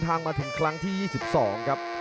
ทางมาถึงครั้งที่๒๒ครับ